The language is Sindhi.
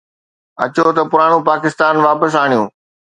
اچو ته پراڻو پاڪستان واپس آڻيون.